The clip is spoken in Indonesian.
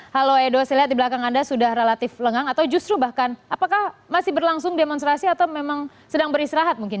halo edo saya lihat di belakang anda sudah relatif lengang atau justru bahkan apakah masih berlangsung demonstrasi atau memang sedang beristirahat mungkin